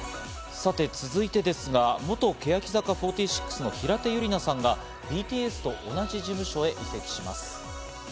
さて続いてですが、元欅坂４６の平手友梨奈さんが、ＢＴＳと同じ事務所へ移籍します。